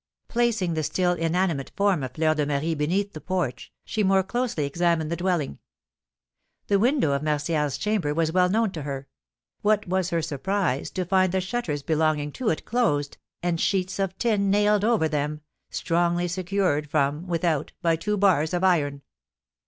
Placing the still inanimate form of Fleur de Marie beneath the porch, she more closely examined the dwelling. The window of Martial's chamber was well known to her; what was her surprise to find the shutters belonging to it closed, and sheets of tin nailed over them, strongly secured from without by two bars of iron!